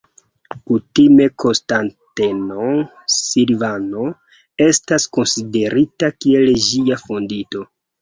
Kutime Konstanteno Silvano estas konsiderita kiel ĝia fondinto.